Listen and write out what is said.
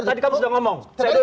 tadi kamu sudah ngomong